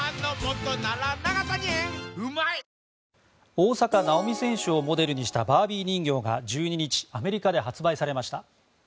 大坂なおみ選手をモデルにしたバービー人形が１２日、アメリカで発売されました。